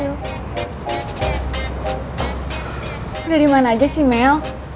dari mana aja sih mel